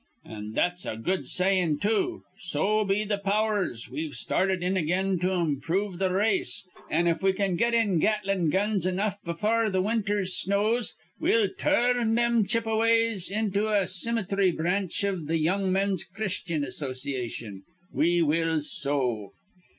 An' that's a good sayin', too. So, be th' powers, we've started in again to improve th' race; an', if we can get in Gatlin' guns enough befure th' winter's snows, we'll tur rn thim Chippeways into a cimitry branch iv th' Young Men's Christyan Association. We will so.